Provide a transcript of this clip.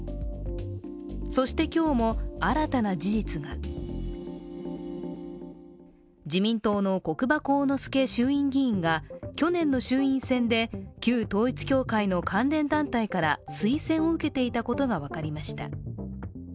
そして今日も新たな事実が自民党の国場幸之助衆院議員が去年の衆院選で旧統一教会の関連団体から推薦を受けていたことが分かりました。